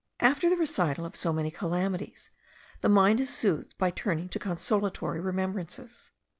After the recital of so many calamities, the mind is soothed by turning to consolatory remembrances.